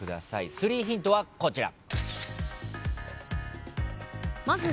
３ヒントはこちら。